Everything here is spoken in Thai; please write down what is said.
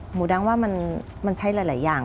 หมูดังว่ามันใช้หลายอย่าง